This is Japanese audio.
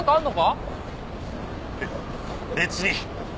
べ別に。